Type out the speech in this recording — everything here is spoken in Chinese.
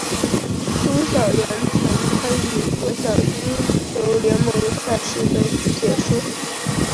苏小妍曾参与过各项英雄联盟赛事的解说。